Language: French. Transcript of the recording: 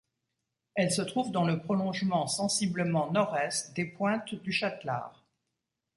Elle se trouve dans le prolongement sensiblement nord-est des pointes du Châtelard.